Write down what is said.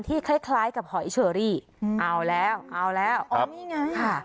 คล้ายคล้ายกับหอยเชอรี่เอาแล้วเอาแล้วอ๋อนี่ไงค่ะ